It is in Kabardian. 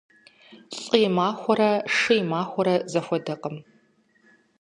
ЛӀы и махуэрэ шы и махуэрэ зэхуэдэкъым.